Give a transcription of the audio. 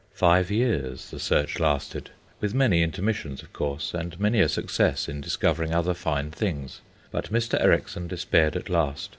Five years the search lasted with many intermissions, of course, and many a success in discovering other fine things. But Mr. Ericksson despaired at last.